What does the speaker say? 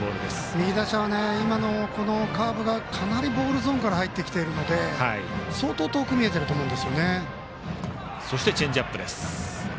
右打者は今のカーブがかなりボールゾーンから入ってきていますので相当遠く見えていると思うんです。